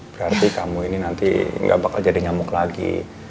berarti kamu ini nanti gak bakal jadi nyamuk lagi